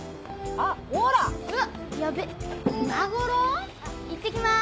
あっいってきます！